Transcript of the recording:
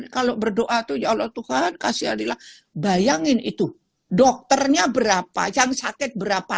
kalau berdoa tuh ya allah tuhan kasih alila bayangin itu dokternya berapa yang sakit berapa